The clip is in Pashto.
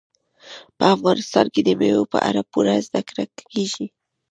په افغانستان کې د مېوو په اړه پوره زده کړه کېږي.